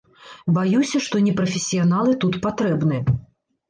Баюся, што не прафесіяналы тут патрэбны.